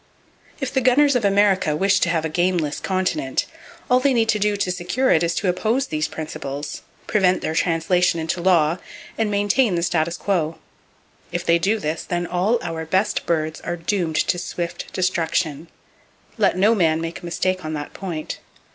If the gunners of America wish to have a gameless continent, all they need do to secure it is to oppose these principles, prevent their translation into law, and maintain the status quo. If they do this, then all our best birds are doomed to swift destruction. Let no man make a mistake on that point.